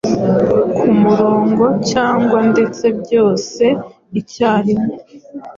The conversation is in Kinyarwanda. kumurongo cyangwa ndetse byose icyarimwe.